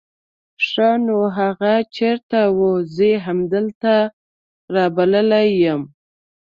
ښا نو هغه چېرته وو؟ زه يې همدلته رابللی يم.